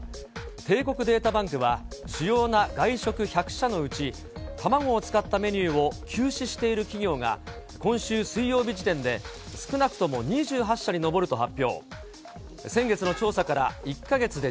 帝国データバンクは、主要な外食１００社のうち、卵を使ったメニューを休止している企業が、今週水曜日時点で少なくとも２８社に上ると発表。